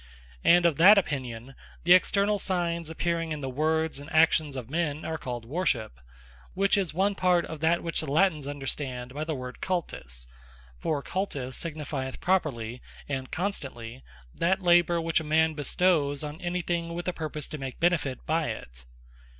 And of that opinion, the externall signes appearing in the Words, and Actions of men, are called Worship; which is one part of that which the Latines understand by the word Cultus: For Cultus signifieth properly, and constantly, that labour which a man bestowes on any thing, with a purpose to make benefit by it.